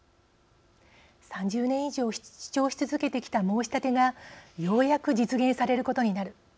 「３０年以上主張し続けてきた申し立てがようやく実現されることになる」。